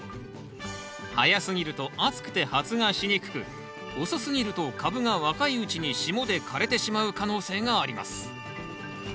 早すぎると暑くて発芽しにくく遅すぎると株が若いうちに霜で枯れてしまう可能性があります。